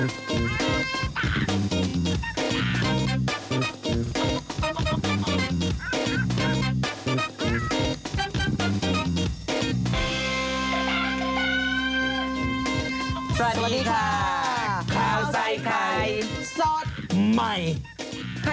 สวัสดีค่ะ